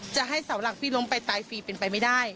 จะให้เสาหลักพี่ล้มไปตายฟรีเป็นไปไม่ได้